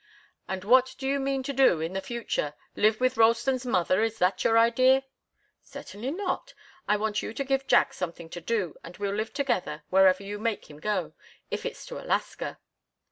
"And what do you mean to do in the future? Live with Ralston's mother? Is that your idea?" "Certainly not. I want you to give Jack something to do, and we'll live together, wherever you make him go if it's to Alaska."